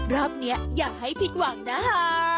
รอบนี้อย่าให้ผิดหวังนะคะ